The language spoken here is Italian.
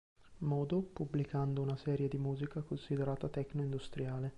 Modo, pubblicando una serie di musica considerata techno industriale.